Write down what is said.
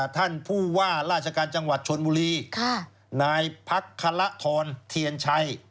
ท่านผู้ว่าราชการจังหวัดชนบุรีนายพักคละทรเทียนชัย